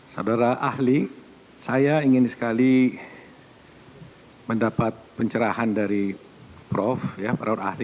saudara ahli saya ingin sekali mendapat pencerahan dari prof para orang ahli